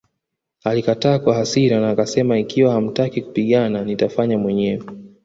Alikataa kwa hasira na akasema Ikiwa hamtaki kupigana nitafanya mwenyewe